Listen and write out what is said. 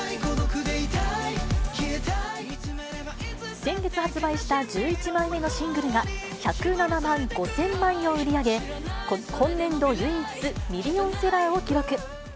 先月発売した１１枚目のシングルが１０７万５０００枚を売り上げ、今年度唯一ミリオンセラーを記録。